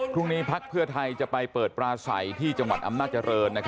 พักเพื่อไทยจะไปเปิดปลาใสที่จังหวัดอำนาจริง